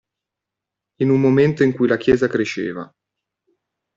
In un momento in cui la Chiesa cresceva.